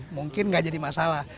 mungkin tidak jadi masalah